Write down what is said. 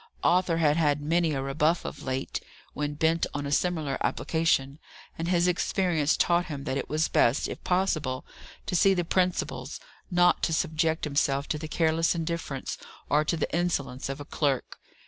Arthur had had many a rebuff of late, when bent on a similar application, and his experience taught him that it was best, if possible, to see the principals: not to subject himself to the careless indifference or to the insolence of a clerk.